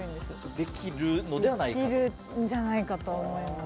できるんじゃないかと思います。